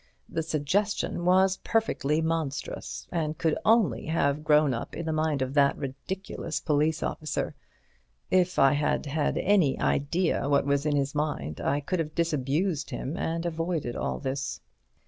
The suggestion was perfectly monstrous, and could only have grown up in the mind of that ridiculous police officer. If I had had any idea what was in his mind I could have disabused him and avoided all this."